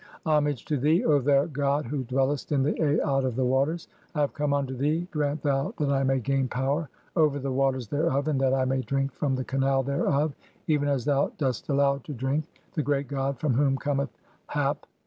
Homage to thee, O thou god who dwellest 'in the Aat of the waters, (10) I have come unto thee, grant 'thou that I may gain power over the waters [thereof], and that 'I may drink from the canal thereof, (11) even as thou dost 'allow to drink the great god from whom cometh Hap